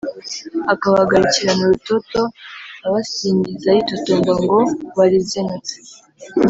akabahagarikirana urutoto, abisyigingiza yitotomba ngo barizenutsa